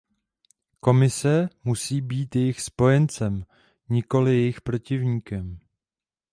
Komise musí být jejich spojencem, nikoli jejich protivníkem.